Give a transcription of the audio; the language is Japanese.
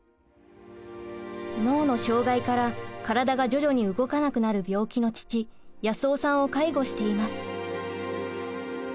脳の障害から体が徐々に動かなくなる病気の父保夫さんを介護しています。